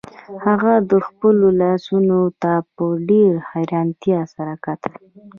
هغه خپلو لاسونو ته په ډیره حیرانتیا سره کتل